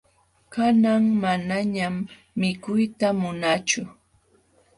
Kanan manañam mikuyta munaachu.